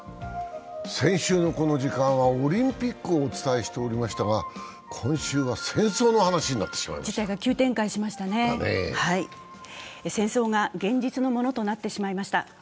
先週のこの時間はオリンピックをお伝えしておりましたが、今週は戦争の話になってしまいました。